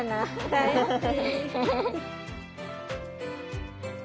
大好き。